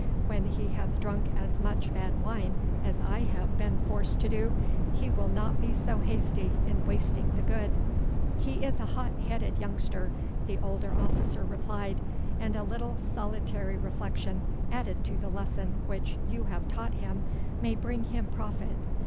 When he hath drunk as much bad wine as I have been forced to do, he will not be so hasty in wasting the good.' 'He is a hot headed youngster,' the older officer replied, 'and a little solitary reflection added to the lesson which you have taught him may bring him profit.